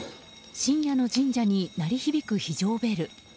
深夜の神社に鳴り響く非常ベル。